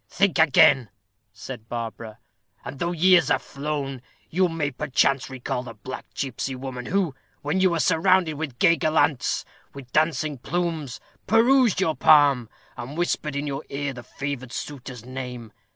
"Think again," said Barbara; "and though years are flown, you may perchance recall the black gipsy woman, who, when you were surrounded with gay gallants, with dancing plumes, perused your palm, and whispered in your ear the favored suitor's name.